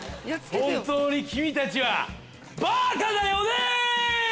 本当に君たちはバーカだよね！